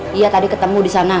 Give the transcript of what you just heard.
dia tadi ketemu disana